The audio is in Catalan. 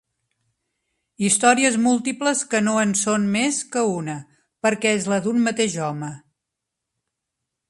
Històries múltiples que no en són més que una, perquè és la d'un mateix home.